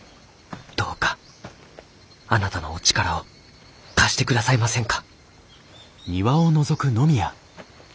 どうかあなたのお力を貸してくださいませんか？」。